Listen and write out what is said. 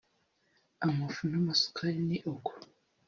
amafu n’amasukari ni uko